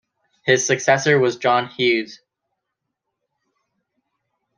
His successor was John Hughes.